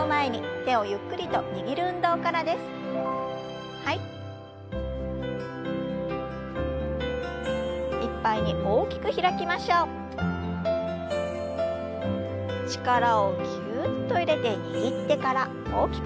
力をぎゅっと入れて握ってから大きく開きます。